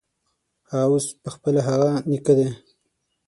هغه اوس پخپله هغه نیکه دی.